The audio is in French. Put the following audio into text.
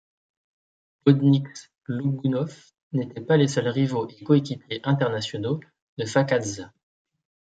Bodnieks, Logounov n'étaient pas les seuls rivaux et coéquipiers internationaux de Phakadze.